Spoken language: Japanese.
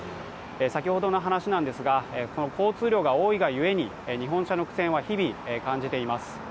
先ほどの話ですが、交通量が多いがゆえに日本車の苦戦は日々、感じています。